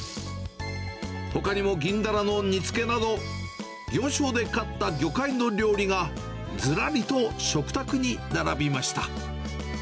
ほかにも銀ダラの煮つけなど、行商で買った魚介の料理が、ずらりと食卓に並びました。